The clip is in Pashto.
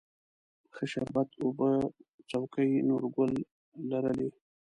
ښه شربت اوبه څوکۍ، نورګل لرلې